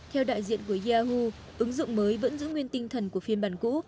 theo đại diện của yahu ứng dụng mới vẫn giữ nguyên tinh thần của phiên bản cũ